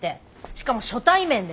しかも初対面でさあ。